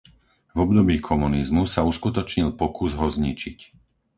V období komunizmu sa uskutočnil pokus ho zničiť.